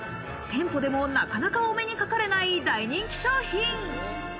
店舗でもなかなかお目にかかれない大人気商品。